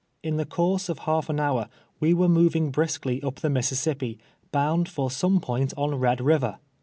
In the course of half an hour we were m.oving briskly up the Mississippi, bound for sonx3 point on Red Kiv er.